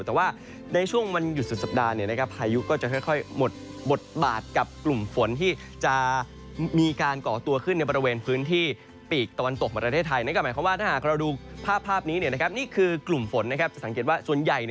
แต่ว่าในช่วงมันหยุดสัปดาห์